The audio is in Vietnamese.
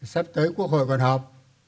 sắp tới quốc hội còn họp